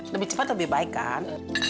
lebih cepat lebih baik kan